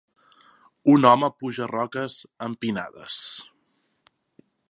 Un home puja roques empinades